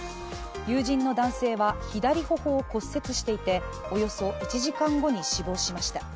友人の男性は左頬を骨折していておよそ１時間後に死亡しました。